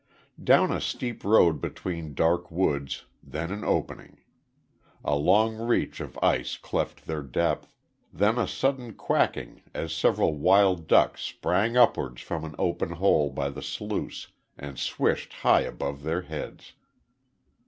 Down a steep road between dark woods, then an opening. A long reach of ice cleft their depth; then a sudden quacking as several wild duck sprang upwards from an open hole by the sluice, and swished high above their heads.